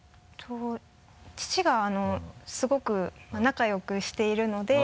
父がすごく仲良くしているので。